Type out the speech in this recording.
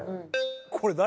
これ誰？